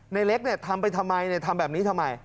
ในเล็กทำไปทำไมทำแบบนี้ทำไม